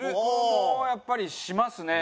僕もやっぱりしますね。